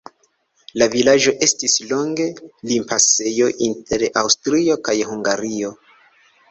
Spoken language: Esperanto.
La vilaĝo estis longe limpasejo inter Aŭstrio kaj Hungario.